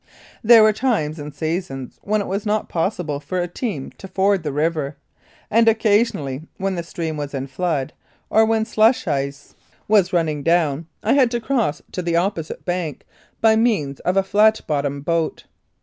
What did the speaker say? There were times and seasons when it was not possible for a team to ford the river, and occasion ally, when the stream was in flood, or when slush ice 75 Mounted Police Life in Canada was running down, I had to cross to the opposite bank by means of a flat bottomed boat.